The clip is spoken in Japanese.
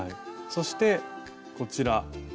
そしてこちら。